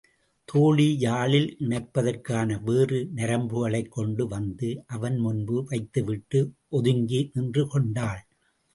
தோழி யாழில் இணைப்பதற்கான வேறு நரம்புகளைக் கொண்டு வந்து அவன் முன்பு வைத்துவிட்டு ஒதுங்கி நின்று கொண்டாள்.